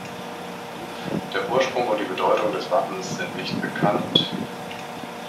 Der Ursprung und die Bedeutung des Wappens sind nicht bekannt.